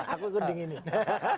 aku ikut dingin ini